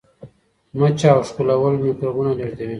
مچه او ښکلول میکروبونه لیږدوي.